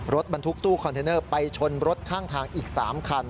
รถบรรทุกตู้คอนเทนเนอร์ไปชนรถข้างทางอีก๓คัน